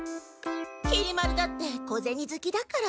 きり丸だって小ゼニ好きだから。